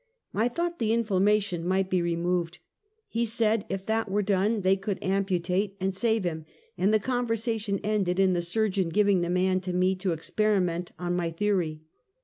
I thought the inflammation might be removed. lie said if that were done they could amputate and save him, and the conversation ended in the surgeon giv ing the man to me to experiment on my theory.